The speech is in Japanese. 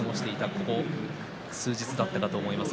ここ数日だったかと思います。